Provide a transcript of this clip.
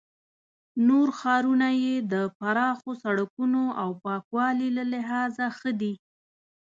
نور ښارونه یې د پراخو سړکونو او پاکوالي له لحاظه ښه دي.